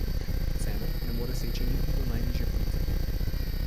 Cene ne more seči niti do najnižje police.